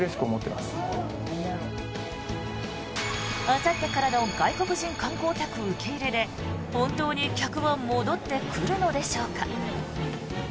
あさってからの外国人観光客受け入れで本当に客は戻ってくるのでしょうか。